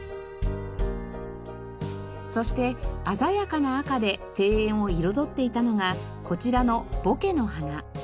そして鮮やかな赤で庭園を彩っていたのがこちらのボケの花。